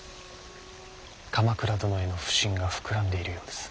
鎌倉殿への不信が膨らんでいるようです。